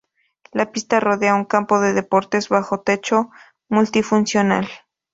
La pista rodea un campo de deportes bajo techo multifuncional.